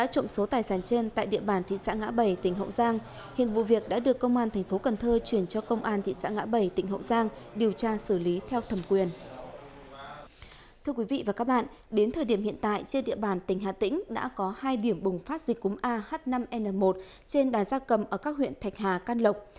trên địa bàn tỉnh hà tĩnh đã có hai điểm bùng phát dịch cúm a h năm n một trên đàn gia cầm ở các huyện thạch hà can lộc